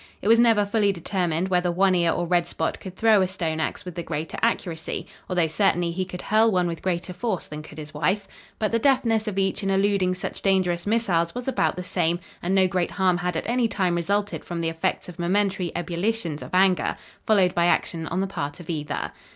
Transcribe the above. It was never fully determined whether One Ear or Red Spot could throw a stone ax with the greater accuracy, although certainly he could hurl one with greater force than could his wife. But the deftness of each in eluding such dangerous missiles was about the same, and no great harm had at any time resulted from the effects of momentary ebullitions of anger, followed by action on the part of either.